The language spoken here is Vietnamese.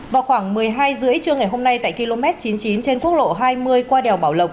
vào khoảng một mươi hai h ba mươi trưa ngày hôm nay tại km chín mươi chín trên quốc lộ hai mươi qua đèo bảo lộc